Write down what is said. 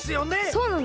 そうなの。